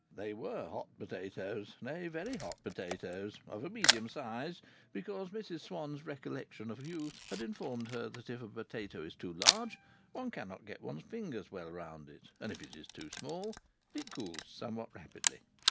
They were hot potatoes nay, very hot potatoes of a medium size, because Mrs Swann's recollections of youth had informed her that if a potato is too large one cannot get one's fingers well around it, and if it is too small it cools somewhat rapidly.